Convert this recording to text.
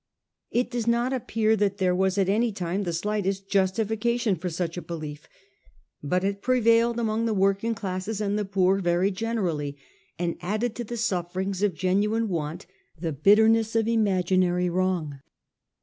It does not appear that there was at any time the slightest justification for such a belief ; but it prevailed among the working classes and the poor very generally, and added to the sufferings of genuine want the bitterness of imaginary wrong.